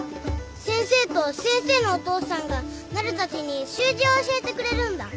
先生と先生のお父さんがなるたちに習字を教えてくれるんだ。